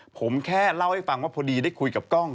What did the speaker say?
ผมแค่เล่าให้ฟังว่าพอดีได้คุยกับกล้อง